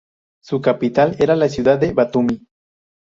Su capital era la ciudad de Batumi.